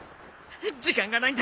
時間がないんだ。